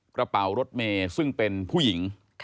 กระเป๋ารถเมย์ซึ่งเป็นผู้หญิง